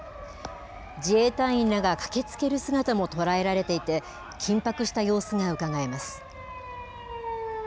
自衛隊員らが駆けつける姿も捉えられていて、緊迫した様子がうかがえます。